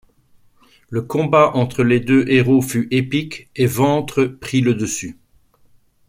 Le combat entre les deux héros fut épique et Ventres prit le dessus.